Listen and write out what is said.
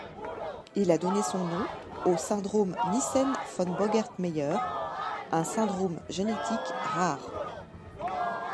Il a donné son nom au syndrome Nyssen-Von Bogaert-Meyer, un syndrome génétique rare.